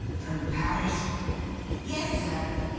From Paris?" "Yes, sir.